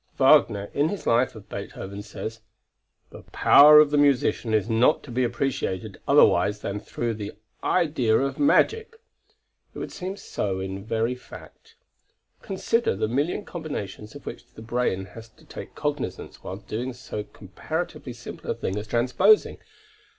Wagner in his life of Beethoven says: "The power of the musician is not to be appreciated otherwise than through the idea of magic." It would seem so in very fact. Consider the million combinations of which the brain has to take cognizance while doing so comparatively simple a thing as transposing.